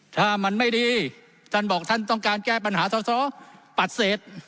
ถ้ามันไม่ดีท่านบอกท่านต้องการแก้ปัญหาสอสอปฏิเสธ